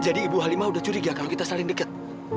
jadi ibu halimah udah curiga kalau kita saling deket